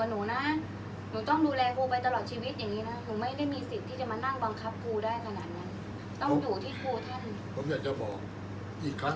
อันไหนที่มันไม่จริงแล้วอาจารย์อยากพูด